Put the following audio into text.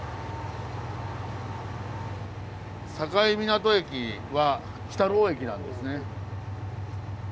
境港駅は鬼太郎駅なんですね。